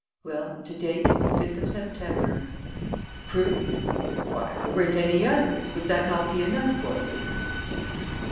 Well, to day, is the 5th of September.... Proofs? Why, if there weren't any others, would that not be enough for you?"